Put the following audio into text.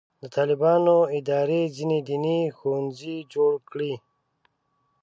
د طالبانو ادارې ځینې دیني ښوونځي جوړ کړي.